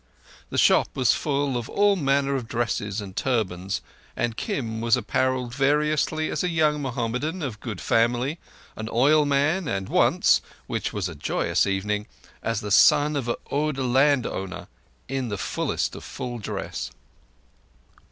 The shop was full of all manner of dresses and turbans, and Kim was apparelled variously as a young Mohammedan of good family, an oilman, and once—which was a joyous evening—as the son of an Oudh landholder in the fullest of full dress.